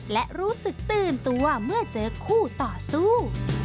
และรู้สึกตื่นตัวเมื่อเจอคู่ต่อสู้